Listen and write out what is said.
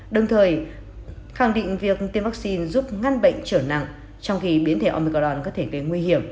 đồng thời khẳng định việc tiêm vaccine giúp ngăn bệnh trở nặng trong khi biến thể omicron có thể gây nguy hiểm cho những người chưa tiêm